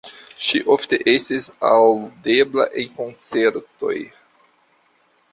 Ŝi ofte estis aŭdebla en koncertoj.